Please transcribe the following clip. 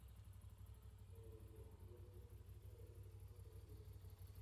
The Blueprint fue escrito en sólo dos días.